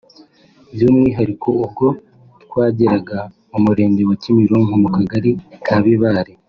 By’umwihariko ubwo twageraga mu Murenge wa Kimironko mu Kagari ka Bibare